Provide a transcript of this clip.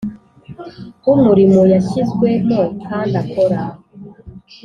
W umurimo yashyizwemo kandi akora